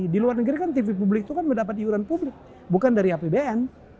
di luar negeri kan tv publik itu kan mendapat iuran publik bukan dari apbn